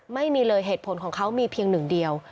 ไม่มีเลยเหตุผลของเขามีเพียงหนึ่งเดียว